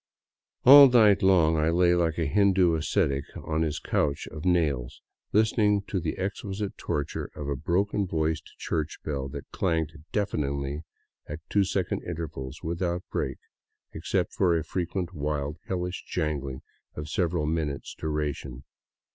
All night long I lay like a Hindu ascetic on his couch of nails, listening to the exquisite torture of a broken voiced church bell that clanged deafeningly at two second intervals without a break, ex cept for a frequent wild, hellish jangling of several minutes' duration.